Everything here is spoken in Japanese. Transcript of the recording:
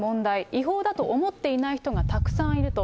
違法だと思っていない人がたくさんいると。